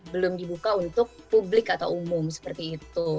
belum dibuka untuk publik atau umum seperti itu